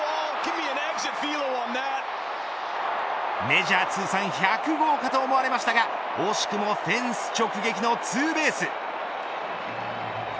メジャー通算１００号かと思われましたが惜しくもフェンス直撃のツーベース。